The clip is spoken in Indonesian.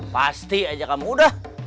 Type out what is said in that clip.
pasti aja kamu udah